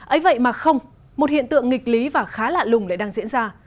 ấy vậy mà không một hiện tượng nghịch lý và khá lạ lùng lại đang diễn ra